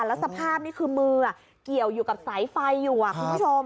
แล้วสภาพนี่คือมือเกี่ยวอยู่กับสายไฟอยู่คุณผู้ชม